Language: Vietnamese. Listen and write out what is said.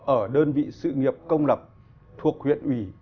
ở đơn vị sự nghiệp công lập thuộc huyện ủy